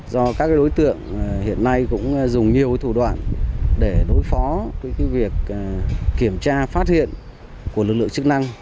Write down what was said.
do các đối tượng hiện nay cũng dùng nhiều thủ đoạn để đối phó với việc kiểm tra phát hiện của lực lượng chức năng